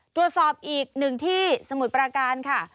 ตรวจสอบอีกหนึ่งที่สมุทรปราการค่ะ